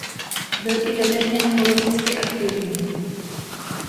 Byl i veřejně a politický aktivní.